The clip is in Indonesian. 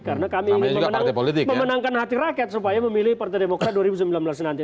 karena kami ingin memenangkan hati rakyat supaya memilih partai demokrat dua ribu sembilan belas nanti